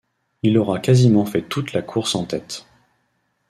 Il aura quasiment fait toute la course en tête.